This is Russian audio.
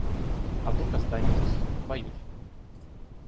А вдруг останетесь, боюсь.